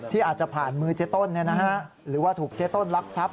ที่อาจจะผ่านมือเจ๊ต้นหรือว่าถูกเจ๊ต้นรักทรัพย